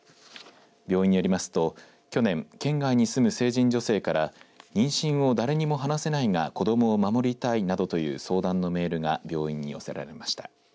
病院によりますと去年県外に住む成人女性から妊娠を誰にも話せないが子どもを守りたいという相談のメールが病院に寄せられました。